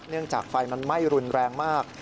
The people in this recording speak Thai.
เนื่องจากไฟมันไหม้รุนแรงมาก